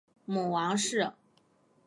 母王氏。